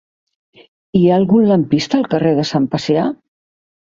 Hi ha algun lampista al carrer de Sant Pacià?